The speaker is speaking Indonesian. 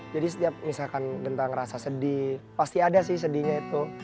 jadi setiap misalkan genta ngerasa sedih pasti ada sih sedihnya itu